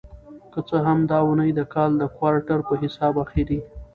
که څه هم دا اونۍ د کال د کوارټر په حساب اخېری